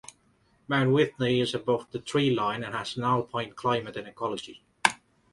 Mount Whitney is above the tree line and has an alpine climate and ecology.